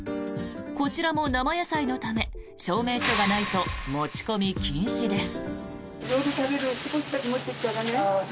こちらも生野菜のため証明書がないと持ち込み禁止です。